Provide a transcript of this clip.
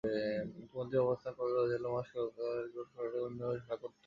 মন্দিরটির অবস্থান কক্সবাজার জেলার মহেশখালী উপজেলাধীন গোরখঘাটা ইউনিয়নের ঠাকুরতলা গ্রামে।